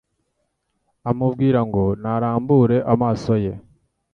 amubwira ngo narambure amaso ye